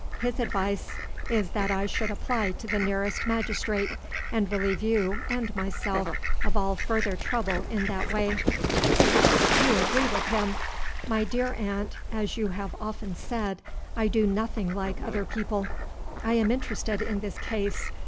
His advice is that I should apply to the nearest magistrate, and relieve you and myself of all further trouble in that way. "Perhaps you agree with him? My dear aunt (as you have often said), I do nothing like other people. I am interested in this case.